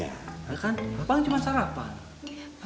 bapak cuma sarapan